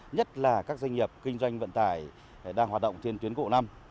nhất là các doanh nghiệp kinh doanh vận tải đang hoạt động trên tuyến lộ năm